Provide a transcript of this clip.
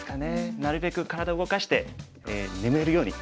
なるべく体動かして眠るようにすることです。